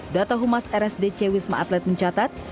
data humas rsdc wisma atlet mencatat